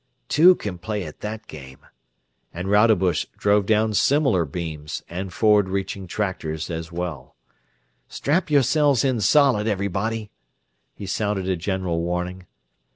"Two can play at that game!" And Rodebush drove down similar beams, and forward reaching tractors as well. "Strap yourselves in solid, everybody!" he sounded a general warning.